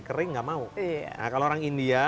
kering nggak mau kalau orang india